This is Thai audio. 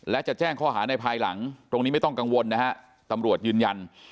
และจะแจ้งข้อหาในภายหลังตรงนี้ไม่ต้องกังวลนะฮะตำรวจยืนยัน